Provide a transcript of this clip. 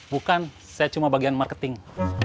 bukan saya cuma bagian marketing